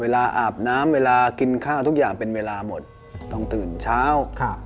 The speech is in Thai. อาบน้ำเวลากินข้าวทุกอย่างเป็นเวลาหมดต้องตื่นเช้า